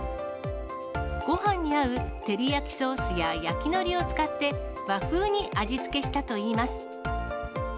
ごはんに合う照り焼きソースや焼きのりを使って、和風に味付けしたといいます。